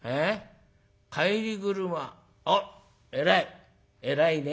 あっ偉い偉いね。